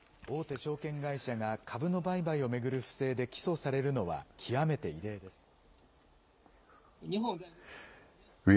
大手証券会社が株の売買を巡る不正で起訴されるのは極めて異例です。